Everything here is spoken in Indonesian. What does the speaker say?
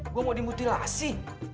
gue mau dimutilasi